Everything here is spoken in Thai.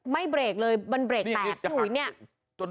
ไม่เบรกเลยมันเบรกแตด